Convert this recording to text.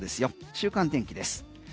週間天気です。